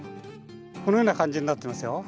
このような感じになってますよ。